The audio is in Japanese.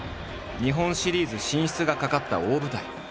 日本シリーズ進出が懸かった大舞台。